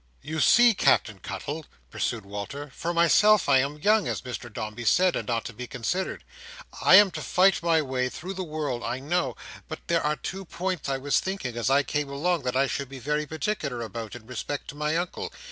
"You see, Captain Cuttle," pursued Walter, "for myself, I am young, as Mr Dombey said, and not to be considered. I am to fight my way through the world, I know; but there are two points I was thinking, as I came along, that I should be very particular about, in respect to my Uncle.